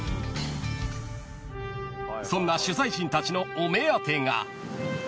［そんな取材陣たちのお目当てが］